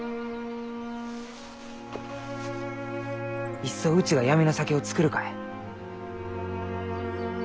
いっそうちが闇の酒を造るかえ？